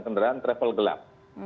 kedaraan kendaraan travel gelap